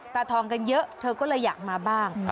ตาทองกันเยอะเธอก็เลยอยากมาบ้าง